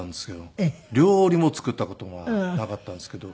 料理も作った事がなかったんですけど。